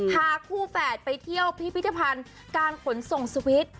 พาคู่แฝดไปเที่ยวพิพิธภัณฑ์การขนส่งสวิตช์